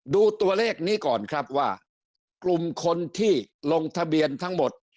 ดูตัวเลขนี้ก่อนครับว่ากลุ่มคนที่ลงทะเบียนทั้งหมด